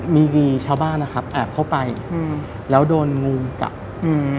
มีดีชาวบ้านนะครับแอบเข้าไปอืมแล้วโดนงูกัดอืม